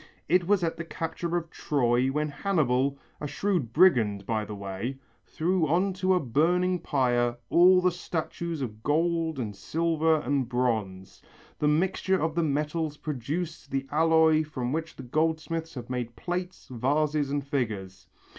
It was at the capture of Troy, when Hannibal, a shrewd brigand by the way, threw on to a burning pyre all the statues of gold and silver and bronze. The mixture of the metals produced the alloy from which goldsmiths have made plates, vases and figures.